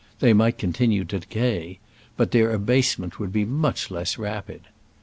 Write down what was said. They might continue to decay, but their abasement would be much less rapid.